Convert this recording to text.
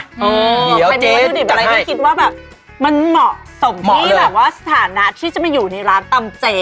อ๋อใครบอกว่ายุดิบอะไรไม่คิดว่ามันเหมาะสมที่สถานะที่จะมาอยู่ในร้านตำเจ๊